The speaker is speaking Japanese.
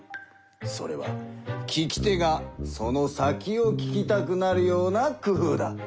それは聞き手がその先を聞きたくなるような工ふうだ。